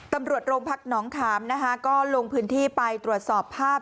ตำรวจโรงพักหนองขามนะคะก็ลงพื้นที่ไปตรวจสอบภาพ